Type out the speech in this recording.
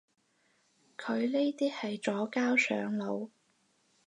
佢呢啲係左膠上腦